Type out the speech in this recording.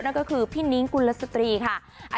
นั่นก็คือพี่นิ้งกุลสตรีค่ะ